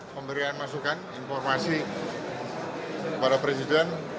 pemberian masukan informasi kepada presiden